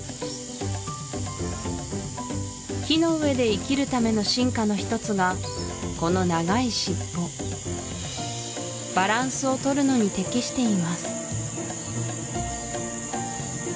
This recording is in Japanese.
木の上で生きるための進化のひとつがこの長いシッポバランスをとるのに適しています